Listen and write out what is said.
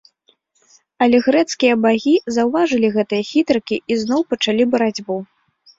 Але грэцкія багі заўважылі гэтыя хітрыкі і зноў пачалі барацьбу.